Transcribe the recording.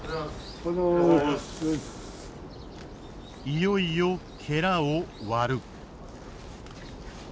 いよいよを割る。